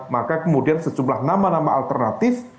maka kemudian sejumlah nama nama alternatif